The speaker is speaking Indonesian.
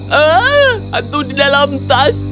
hantu di dalam tas